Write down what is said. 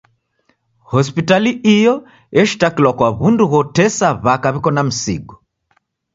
Hospitali iyo eshitakilwa kwa w'undu ghotesa w'aka w'iko na misigo.